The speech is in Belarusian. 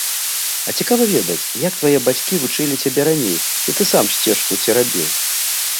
А цікава ведаць, як твае бацькі вучылі цябе раней, ці ты сам сцежку церабіў?